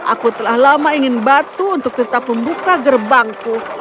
aku telah lama ingin batu untuk tetap membuka gerbangku